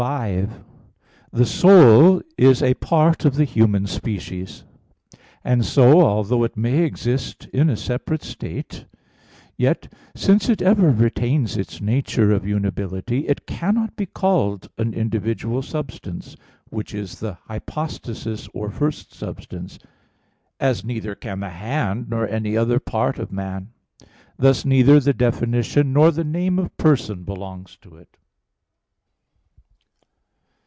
5: The soul is a part of the human species; and so, although it may exist in a separate state, yet since it ever retains its nature of unibility, it cannot be called an individual substance, which is the hypostasis or first substance, as neither can the hand nor any other part of man; thus neither the definition nor the name of person belongs to it.